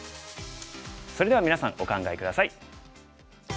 それではみなさんお考え下さい。